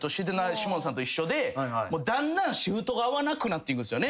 下野さんと一緒でだんだんシフトが合わなくなっていくんすよね。